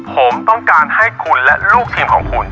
ผมต้องการให้คุณและลูกทีมของคุณ